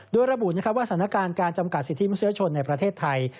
โดยระบุว่าสถานการณ์การจำกัดสิทธิมนุษยชนในประเทศไทย